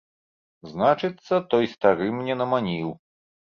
Значыцца, той стары мне наманіў.